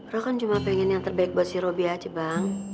lu kan cuma pengen yang terbaik buat si robi aja bang